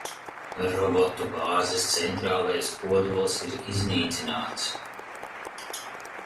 Robotu bāzes centrālais kodols ir iznīcināts.